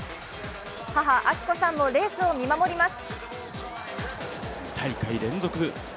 母、明子さんもレースを見守ります。